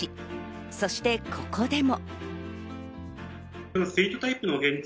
そしてここでも。